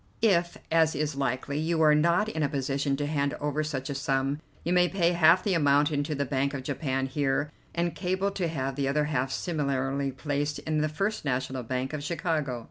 If, as is likely, you are not in a position to hand over such a sum, you may pay half the amount into the Bank of Japan here, and cable to have the other half similarly placed in the First National Bank of Chicago.